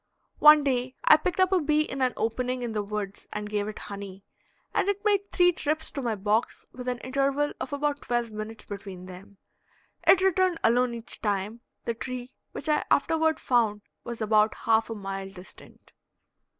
One day I picked up a bee in an opening in the woods and gave it honey, and it made three trips to my box with an interval of about twelve minutes between them; it returned alone each time; the tree, which I afterward found, was about half a mile distant.